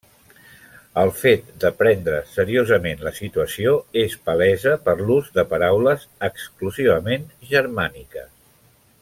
El fet de prendre seriosament la situació és palesa per l'ús de paraules exclusivament germàniques.